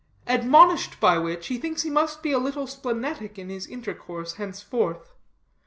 Admonished by which, he thinks he must be a little splenetic in his intercourse henceforth.